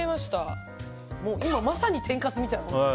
今、まさに天かすみたい。